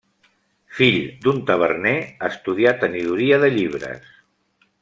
Fill d'un taverner, estudià tenidoria de llibres.